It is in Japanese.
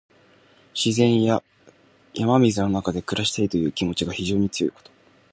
自然や山水の中で暮らしたいという気持ちが非常に強いこと。